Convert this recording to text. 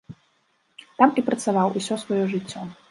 Там і працаваў усё сваё жыццё.